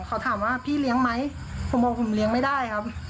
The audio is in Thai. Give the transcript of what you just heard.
เขาถามว่าพี่เลี้ยงไหมผมบอกผมเลี้ยงไม่ได้ครับ